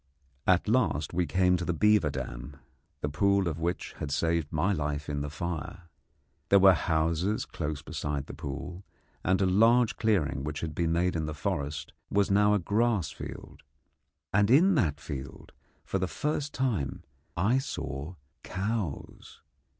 At last we came to the beaver dam, the pool of which had saved my life in the fire. There were houses close beside the pool, and a large clearing which had been made in the forest was now a grass field, and in that field for the first time I saw cows.